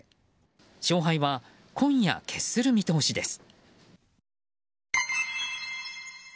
勝敗は今夜決する見通しです。